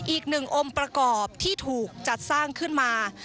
อีกหนึ่งองค์ประกอบที่ถูกจัดสร้างขึ้นมา